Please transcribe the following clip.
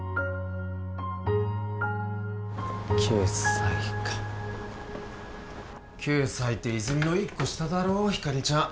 ９歳か９歳って泉実の１個下だろひかりちゃん